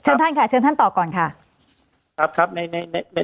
เชิญท่านค่ะเชิญท่านตอบก่อนค่ะครับครับในใน